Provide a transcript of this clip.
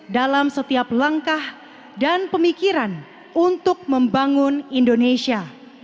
dalam setiap langkah dan pemikiran untuk membangun indonesia